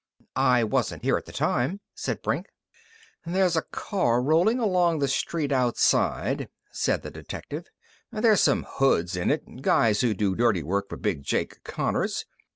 "I wasn't here at the time," said Brink. "There's a car rolling along the street outside," said the detective. "There's some hoods in it guys who do dirty work for Big Jake Connors.